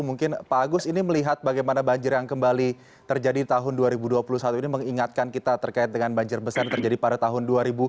mungkin pak agus ini melihat bagaimana banjir yang kembali terjadi tahun dua ribu dua puluh satu ini mengingatkan kita terkait dengan banjir besar terjadi pada tahun dua ribu dua puluh